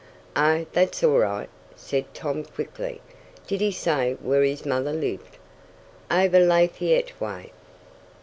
"Oh, that's all right," said Tom quickly. "Did he say where his mother lived?" "Over Lafayette way."